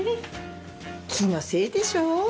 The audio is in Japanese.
気のせいでしょう。